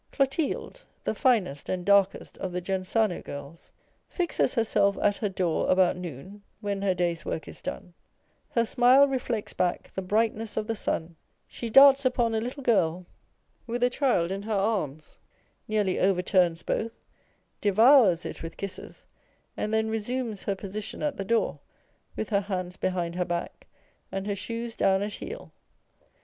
Clothilde (the finest and darkest of the Gensano girls) fixes herself at her door about noon (when her day's work is done) : her smile reflects back the brightness of the sun, she darts upon a little girl with a child in her arms, nearly over turns both, devours it with kisses, and then resumes her position at the door, with her hands behind her back and her shoes down at heel.